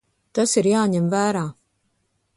Tas ir jāņem vērā.